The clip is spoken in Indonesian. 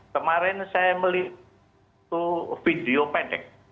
kemarin saya melihat itu video pendek